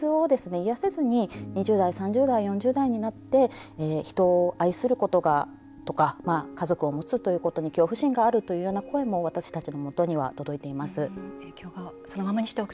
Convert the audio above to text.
その傷を癒やせずに２０代、３０代４０代になって人を愛することとか家族をもつということに恐怖心があるという声も私たちのもとに届いています。